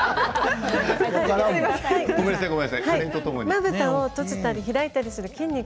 まぶたを閉じたり開いたりする筋肉